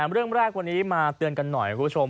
เรื่องแรกวันนี้มาเตือนกันหน่อยคุณผู้ชม